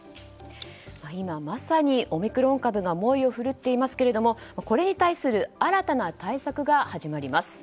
今まさにオミクロン株が猛威を振るっていますけどもこれに対する新たな対策が始まります。